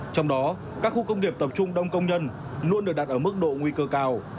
trong đó các khu công nghiệp tập trung đông công nhân luôn được đặt ở mức độ nguy cơ cao